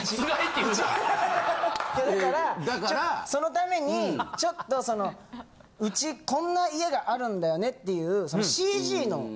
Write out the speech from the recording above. いやだからそのためにちょっとそのウチこんな家があるんだよねっていう。